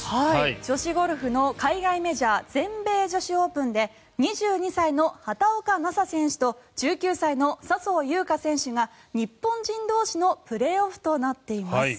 女子ゴルフの海外メジャー全米女子オープンで２２歳の畑岡奈紗選手と１９歳の笹生優花選手が日本人同士のプレーオフとなっています。